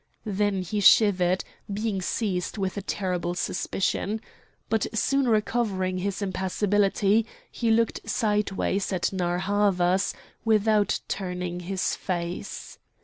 Then he shivered, being seized with a terrible suspicion. But soon recovering his impassibility he looked sideways at Narr' Havas without turning his face.